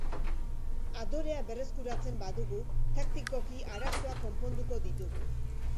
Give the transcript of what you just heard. Adorea berreskuratzen badugu, taktikoki arazoak konponduko ditugu.